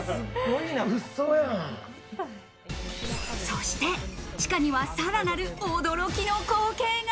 そして地下には、さらなる驚きの光景が。